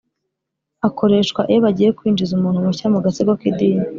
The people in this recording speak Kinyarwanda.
akoreshwa iyo bagiye kwinjiza umuntu mushya mu gatsiko k’idini